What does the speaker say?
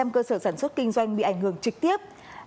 một mươi chín hai cơ sở sản xuất kinh doanh bị ảnh hưởng trực tiếp